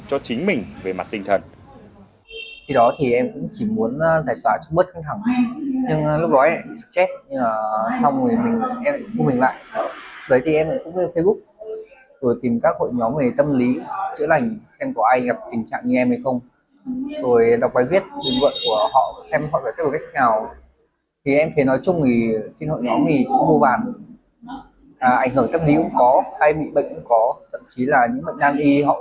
cho chính mình về mặt tinh thần